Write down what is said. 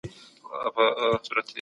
ارغنداب د طبيعت یو نایابه نعمت دی.